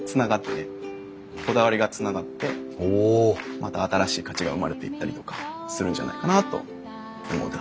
また新しい価値が生まれていったりとかするんじゃないかなと思うところです。